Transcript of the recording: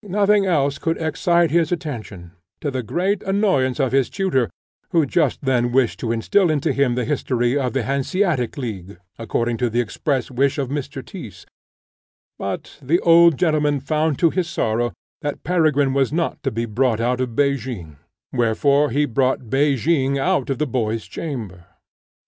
Nothing else could excite his attention to the great annoyance of his tutor, who just then wished to instil into him the history of the Hanseatic League, according to the express wish of Mr. Tyss; but the old gentleman found to his sorrow, that Peregrine was not to be brought out of Pekin, wherefore he brought Pekin out of the boy's chamber.